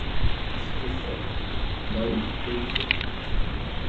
Giclefort. — Ben oui, pour une fois !…